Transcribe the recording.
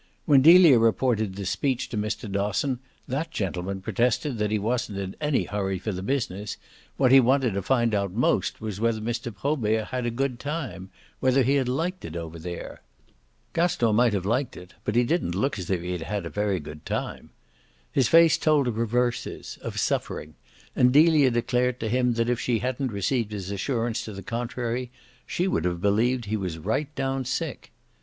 When Delia reported this speech to Mr. Dosson that gentleman protested that he wasn't in any hurry for the business; what he wanted to find out most was whether Mr. Probert had a good time whether he had liked it over there. Gaston might have liked it, but he didn't look as if he had had a very good time. His face told of reverses, of suffering; and Delia declared to him that if she hadn't received his assurance to the contrary she would have believed he was right down sick.